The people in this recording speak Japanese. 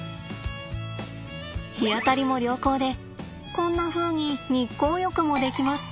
日当たりも良好でこんなふうに日光浴もできます。